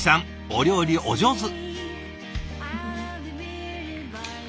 お料理お上手。